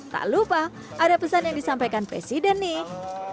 tak lupa ada pesan yang disampaikan presiden nih